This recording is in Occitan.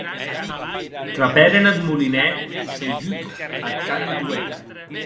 Trapèren ath molinèr seiguc ath cant deth huec.